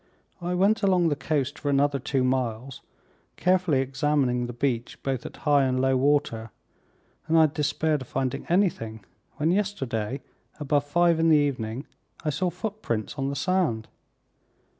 "I went along the coast for another two miles, carefully examining the beach, both at high and low water, and I had despaired of finding anything, when yesterday, above five in the evening, I saw footprints on the sand."